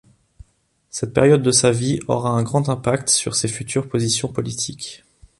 Cette période de sa vie aura un grand impact sur ses futures positions politiques.